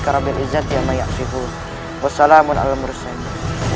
semua ini terjadi atas kehendakmu ya allah